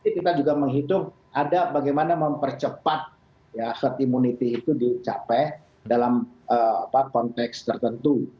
jadi kita juga menghitung ada bagaimana mempercepat ya herd immunity itu dicapai dalam konteks tertentu